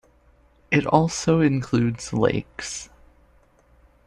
It also includes lakes.